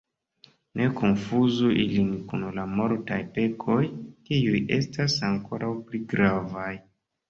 Ne konfuzu ilin kun la mortaj pekoj, kiuj estas ankoraŭ pli gravaj.